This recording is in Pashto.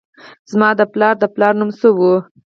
زما د پلار د پلار نوم څه و؟